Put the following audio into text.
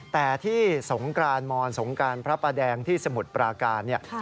แต่ที่สงกรานมอนสงการพระประแดงที่สมุทรปราการเนี่ย